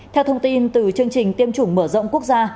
theo thông tin từ chương trình tiêm chủng mở rộng quốc gia